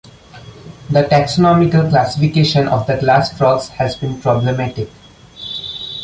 The taxonomical classification of the glass frogs has been problematic.